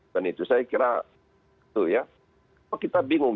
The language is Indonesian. dan itu saya kira itu ya kok kita bingung